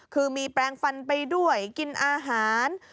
คือมีแปลงฟันไปด้วยกินอาหาร